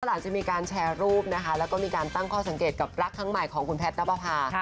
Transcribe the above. หลังจากมีการแชร์รูปนะคะแล้วก็มีการตั้งข้อสังเกตกับรักครั้งใหม่ของคุณแพทย์นับประพา